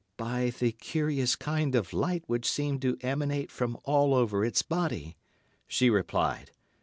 "By the curious kind of light that seemed to emanate from all over its body," she replied.